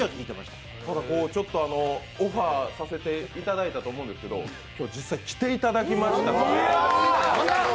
ただ、オファーさせていただいたと思うんですけど、今日、実際来ていただきましたと。